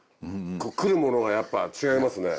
来るものがやっぱ違いますね。